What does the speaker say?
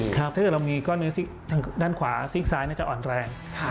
ถ้าเกิดเรามีก้อนเนื้อซีกทางด้านขวาซีกซ้ายน่าจะอ่อนแรง